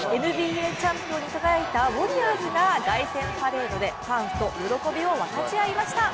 ＮＢＡチャンピオンに輝いたウォリアーズが凱旋パレードでファンと喜びを分かち合いました。